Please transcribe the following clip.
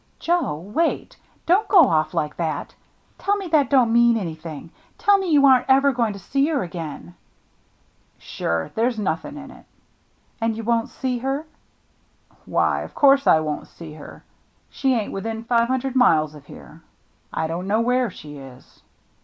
"Joe — wait — don't go off like that. Tell me that don't mean anything ! Tell me you aren't ever going to see her again !"" Sure, there's nothing in it." " And you won't see her ?" "Why, of course I won't see her. She ain't within five hundred miles of here. I don't know where she is."